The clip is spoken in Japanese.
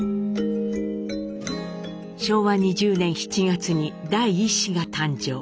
昭和２０年７月に第１子が誕生。